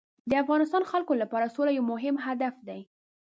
د افغانستان خلکو لپاره سوله یو مهم هدف دی.